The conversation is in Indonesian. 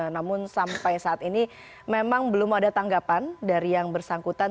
namun sampai saat ini memang belum ada tanggapan dari yang bersangkutan